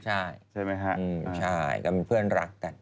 ใช่ก็มีเพื่อนรักกัน